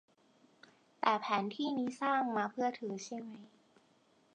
แต่แผนที่นี้สร้างมาเพื่อเธอ ใช่มั้ย